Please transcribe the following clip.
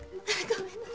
ごめんね。